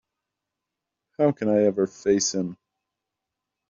How can I ever face him?